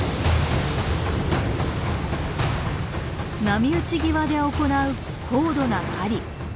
波打ち際で行う高度な狩り。